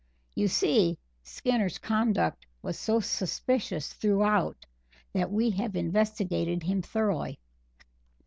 You see, Skinner's conduct was so suspicious throughout that we have investigated him thoroughly.